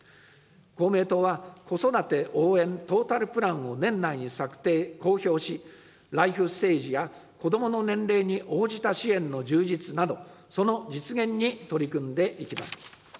公明党は、子育て応援トータルプランを年内に策定・公表し、ライフステージや子どもの年齢に応じた支援の充実など、その実現に取り組んでいきます。